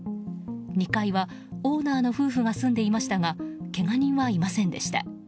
２階はオーナーの夫婦が住んでいましたがけが人はいませんでした。